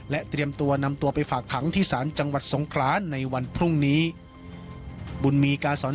เตรียมตัวนำตัวไปฝากขังที่ศาลจังหวัดสงครานในวันพรุ่งนี้